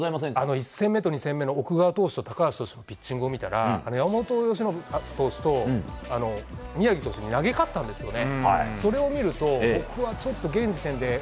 １戦目と２戦目の奥川投手と高橋投手のピッチングを見たら山本由伸投手と宮城投手に投げ勝ったんですよね。